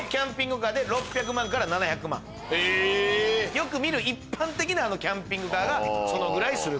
よく見る一般的なキャンピングカーがそのぐらいする。